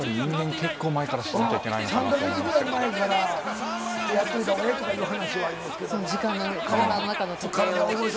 結構前からしなきゃいけないのかなと。